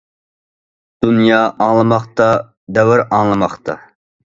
دۇنيا ئاڭلىماقتا، دەۋر ئاڭلىماقتا.